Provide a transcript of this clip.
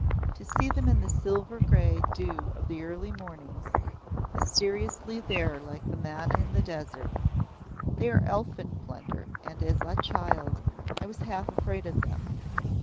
To see them in the silver grey dew of the early mornings mysteriously there like the manna in the desert they are elfin plunder, and as a child I was half afraid of them.